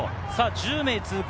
１０名通過。